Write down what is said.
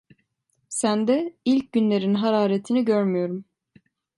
Sende ilk günlerin hararetini görmüyorum.